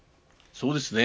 そうですね。